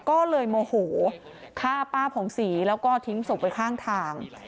ก็เลยโมโหฆ่าป้าผ่องศรีแล้วก็ทิ้งศพไว้ข้างทาง